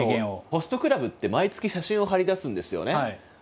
ホストクラブって毎月写真を貼り出すんですよね。